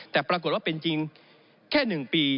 แต่ปรากฏว่าเป็นจริงแค่๑ปี